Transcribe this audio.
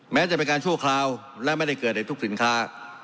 แม้จะเป็นการชั่วคราวและไม่ได้เกิดในทุกสินค้า